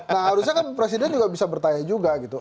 nah harusnya kan presiden juga bisa bertanya juga gitu